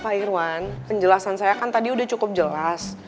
pak irwan penjelasan saya kan tadi udah cukup jelas